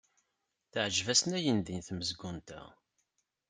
Teɛjeb-asen ayendin tmezgunt-a.